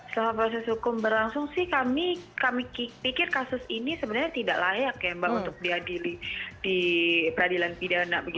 selama proses hukum berlangsung sih kami pikir kasus ini sebenarnya tidak layak ya mbak untuk diadili di peradilan pidana